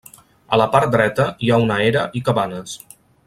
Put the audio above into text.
A la part dreta hi ha una era i cabanes.